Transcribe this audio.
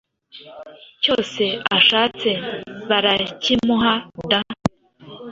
cyose ashatse barakimuha da